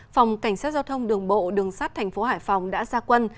phòng cảnh sát giao thông đường bộ đường sát tp hải phòng đã ra quân